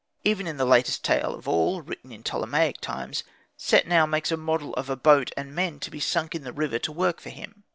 Even in the latest tale of all (written in Ptolemaic times), Setnau makes a model of a boat and men, to be sunk in the river to work for him.